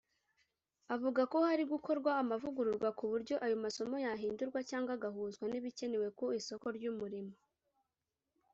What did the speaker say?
Avuga ko hari gukorwa amavugururwa ku buryo ayo masomo yahindurwa cyangwa agahuzwa n’ibikenewe ku isoko ry’umurimo